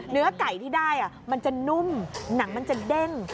เนื้อไก่ที่ได้มันจะนุ่มหนังมันจะเด้ง